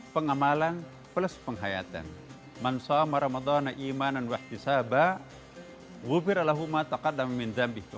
pengamalan plus penghayatan